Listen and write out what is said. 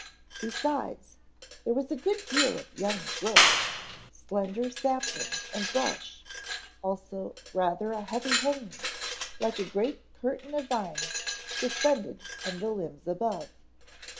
Besides, there was a good deal of young growths, slender saplings and brush, also rather a heavy hanging, like a great curtain of vines suspended from the limbs above.